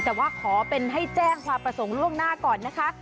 แต่ว่าขอเป็นให้แจ้งความประสงค์ล่วงหน้าก่อนนะคะ